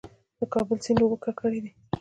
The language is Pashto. د کابل سیند اوبه ککړې دي؟